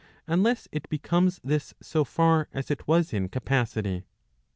3SS unless it becomes this so far as it was in capacity.